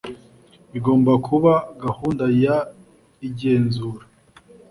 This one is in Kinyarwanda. igomba kuba gahunda y igenzura